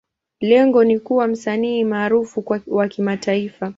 Lengo ni kuwa msanii maarufu wa kimataifa.